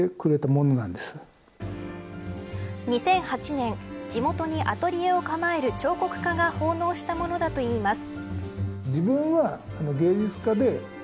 ２００８年地元にアトリエを構える彫刻家が奉納したものだといいます。